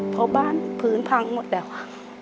เพราะบ้านพื้นพังหมดแล้วค่ะ